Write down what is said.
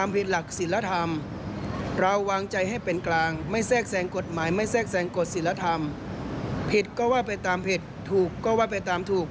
ผิดก็ว่าไปตามผิดถูกก็ว่าไปตามถูก